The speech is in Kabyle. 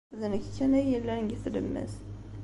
D nekk kan ay yellan deg tlemmast.